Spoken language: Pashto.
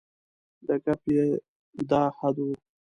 د ګپ یې دا حد و.